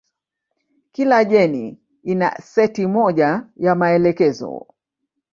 Kila jeni ina seti moja ya maelekezo.